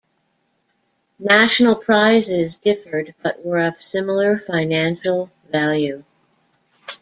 National prizes differed but were of a similar financial value.